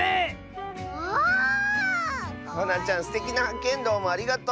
すてきなはっけんどうもありがとう！